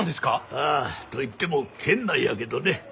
ああといっても県内やけどね。